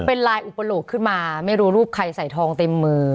เป็นลายอุปโลกขึ้นมาไม่รู้รูปใครใส่ทองเต็มมือ